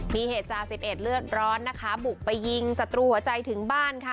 มีเหตุจาสิบเอ็ดเลือดร้อนนะคะบุกไปยิงศัตรูหัวใจถึงบ้านค่ะ